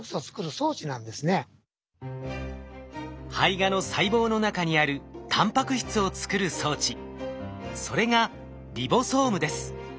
胚芽の細胞の中にあるタンパク質を作る装置それがリボソームです。